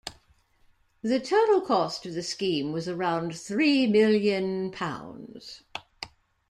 The total cost of the scheme was around three million pounds.